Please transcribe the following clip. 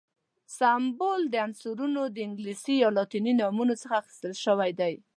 سمبول د عنصرونو د انګلیسي یا لاتیني نومونو څخه اخیستل شوی دی.